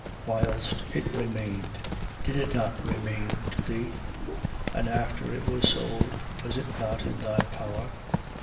5:4. Whilst it remained, did it not remain to thee? And after it was sold, was it not in thy power?